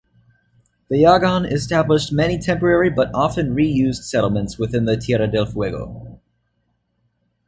The Yaghan established many temporary but often reused settlements within Tierra del Fuego.